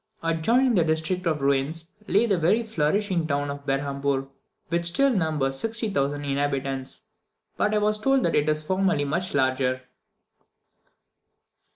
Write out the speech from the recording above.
Adjoining this district of ruins, lay the very flourishing town of Berhampoor, which still numbers 60,000 inhabitants, but I was told that it was formerly much larger.